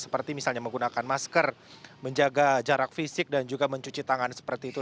seperti misalnya menggunakan masker menjaga jarak fisik dan juga mencuci tangan seperti itu